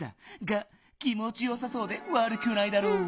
が気もちよさそうでわるくないだろう。